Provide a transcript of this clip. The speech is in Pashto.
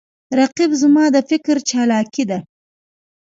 رقیب زما د فکر چالاکي ده